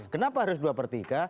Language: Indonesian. kenapa harus dua per tiga